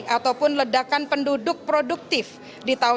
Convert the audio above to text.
ataupun ledakan penduduk produktif di tahun yang akan mendatang